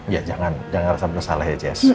ya jangan jangan ngerasa bersalah ya jess